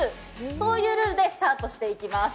そういうルールでスタートしていきます。